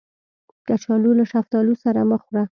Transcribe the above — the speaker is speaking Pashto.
کچالو له شفتالو سره مه خوړه